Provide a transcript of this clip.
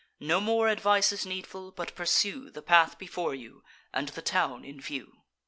No more advice is needful; but pursue The path before you, and the town in view."